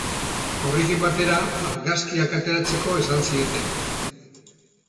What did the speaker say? Horrekin batera, argazkiak ateratzeko esan zieten.